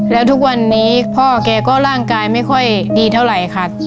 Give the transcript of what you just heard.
แล้วทุกวันนี้พ่อแกก็ร่างกายไม่ค่อยดีเท่าไหร่ค่ะ